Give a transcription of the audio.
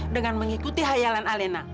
dengan mengikuti hayalan alina